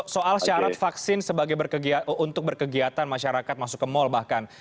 soal syarat vaksin untuk berkegiatan masyarakat masuk ke mal bahkan